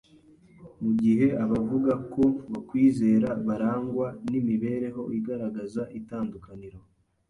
mu gihe abavuga ko bakwizera barangwa n’imibereho igaragaza itandukaniro